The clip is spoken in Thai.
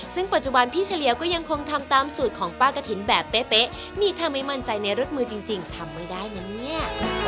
ซึ่งปัจจุบันพี่เฉลียวก็ยังคงทำตามสูตรของป้ากะถิ่นแบบเป๊ะนี่ถ้าไม่มั่นใจในรสมือจริงทำไม่ได้นะเนี่ย